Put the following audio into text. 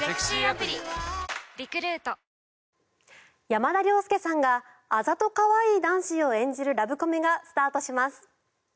山田涼介さんがあざと可愛い男子を演じるラブコメがスタートします。